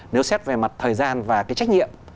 nếu xét về mặt thời gian và cái trách nhiệm